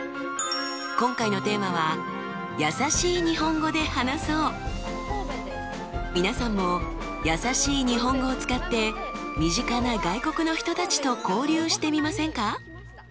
今回のテーマは皆さんもやさしい日本語を使って身近な外国の人たちと交流してみませんか？